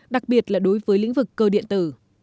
đặc biệt là đối với lĩnh vực cơ điện tử